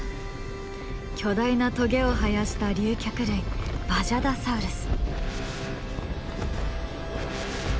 巨大なトゲを生やした竜脚類バジャダサウルス。